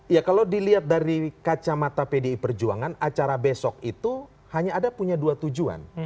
ya kalau dilihat dari kacamata pdi perjuangan acara besok itu hanya ada punya dua tujuan